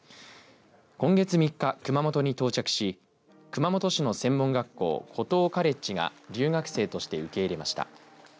今月３日、熊本に到着し熊本市の専門学校、湖東カレッジが留学生として受け入れました。